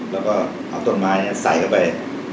แล้วก็เอาต้นไม้ใส่เข้าไป